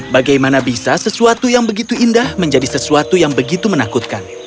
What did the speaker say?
bagaimana bisa sesuatu yang begitu indah menjadi sesuatu yang begitu menakutkan